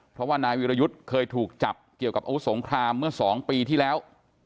เพราะว่านายวิรยุทธ์เคยถูกจับเกี่ยวกับอาวุธสงครามเมื่อ๒ปีที่แล้ว